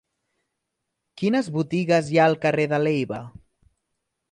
Quines botigues hi ha al carrer de Leiva?